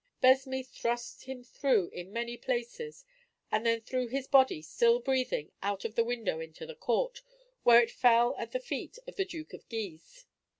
Besme thrust him through in many places, and then threw his body, still breathing, out of the window into the court, where it fell at the feet of the Duke of Guise.